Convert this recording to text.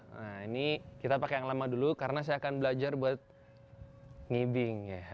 nah ini kita pakai yang lama dulu karena saya akan belajar buat ngibing ya